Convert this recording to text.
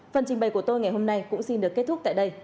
phần trình bày của tôi ngày hôm nay cũng xin được kết thúc tại đây